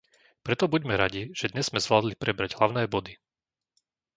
Preto buďme radi, že dnes sme zvládli prebrať hlavné body!